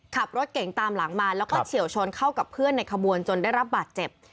ขับรถเก่งตามหลังมาแล้วก็เฉียวชนเข้ากับเพื่อนในขบวนจนได้รับบาดเจ็บ